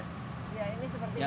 ya ini seperti ini kan